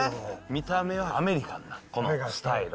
見た目はアメリカンなこのスタイル。